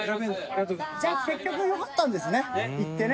じゃあ結局よかったんですね行ってね。